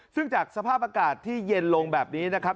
ซึ่งจากสภาพอากาศที่เย็นลงแบบนี้นะครับ